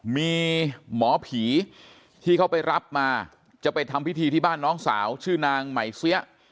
มีหมอผีที่เขาไปรับมาจะไปทำพิธีที่บ้านน้องสาวชื่อนางใหม่เสี้ย